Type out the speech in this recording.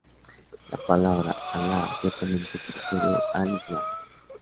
La palabra Alá ciertamente precede al Islam.